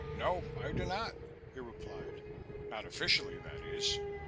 "No, I do not," he replied. "Not officially, that is.